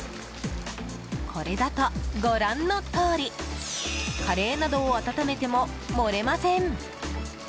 これだとご覧のとおりカレーなどを温めても漏れません。